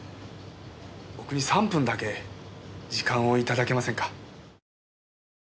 僕に３分だけ時間を頂けませんか？